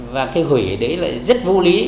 và cái hủy đấy là rất vô lý